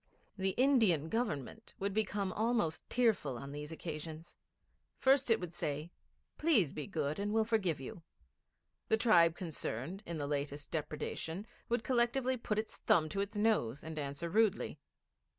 The Indian Government would become almost tearful on these occasions. First it would say, 'Please be good and we'll forgive you.' The tribe concerned in the latest depredation would collectively put its thumb to its nose and answer rudely.